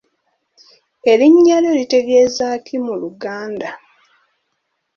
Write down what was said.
Erinnya lyo litegeeza ki mu Luganda.